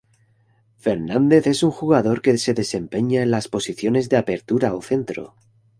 Fernández es un jugador que se desempeña en las posiciones de Apertura o centro.